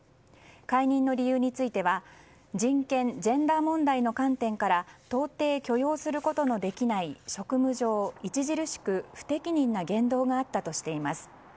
解任の理由については人権・ジェンダー問題の観点から到底許容することのできない職務上著しく不適任な言動があったとしています。